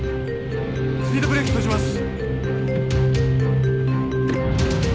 スピードブレーキ閉じます。